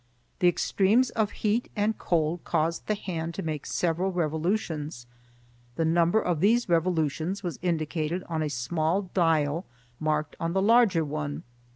The extremes of heat and cold caused the hand to make several revolutions. The number of these revolutions was indicated on a small dial marked on the larger one.